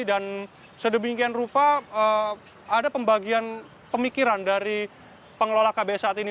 dan sedemikian rupa ada pembagian pemikiran dari pengelola kbs saat ini